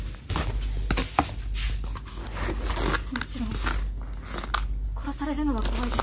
もちろん殺されるのは怖いです。